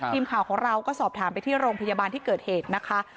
ทีมข่าวของเราก็สอบถามไปที่โรงพยาบาลที่เกิดเหตุนะคะ